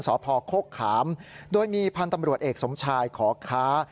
สพโคกขามโดยมีพันธ์ตำรวจเอกสมชายขอค้า